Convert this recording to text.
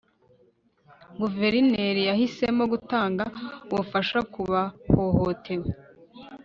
guverineri yahisemo gutanga ubufasha ku bahohotewe